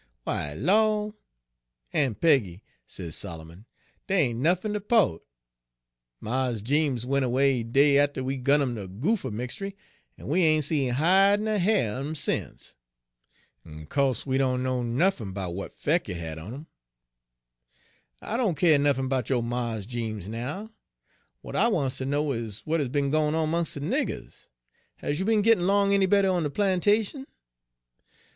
" 'W'y, law! Aun' Peggy,' sez Solomon, 'dey ain' nuffin ter 'po't. Mars Jeems went away de day atter we gun 'im de goopher mixtry, en we ain' seed hide ner hair un 'im sence, en co'se we doan know nuffin 'bout w'at 'fec' it had on im.' Page 86 " 'I doan keer nuffin 'bout yo' Mars Jeems now; w'at I wants ter know is w'at is be'n gwine on 'mongs' de niggers. Has you be'n gittin' 'long any better on de plantation?'